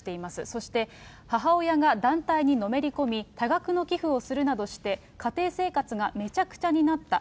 そして、母親が団体にのめり込み、多額の寄付をするなどして、家庭生活がめちゃくちゃになった。